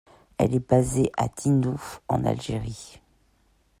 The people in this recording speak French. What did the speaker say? Elle est basée à Tindouf, en Algérie.